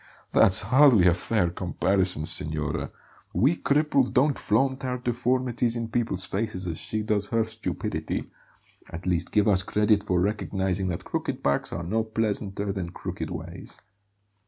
"That's hardly a fair comparison, signora; we cripples don't flaunt our deformities in people's faces as she does her stupidity. At least give us credit for recognizing that crooked backs are no pleasanter than crooked ways.